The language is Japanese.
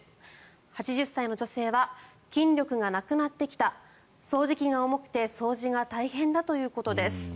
８０歳の女性は筋力がなくなってきた掃除機が重くて掃除が大変だということです。